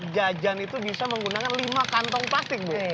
jajan itu bisa menggunakan lima kantong plastik bu